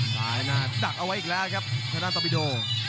ซ้ายหน้าดักเอาไว้อีกแล้วครับชนะตอบิโด